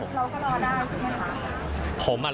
เราก็รอได้ใช่ไหมคะ